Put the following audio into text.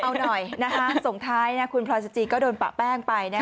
เอาหน่อยนะคะส่งท้ายคุณพอสจีนก็โดนปะแป้งไปนะคะ